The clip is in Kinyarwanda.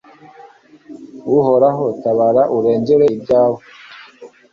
Uhoraho tabara urengere ibyawe